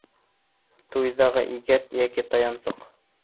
Туйҙағы игәт йәки таянсыҡ.